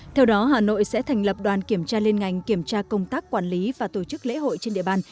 theo đó hà nội sẽ thành lập đoàn kiểm tra liên ngành kiểm tra công tác quản lý và tổ chức lễ hội trên địa bàn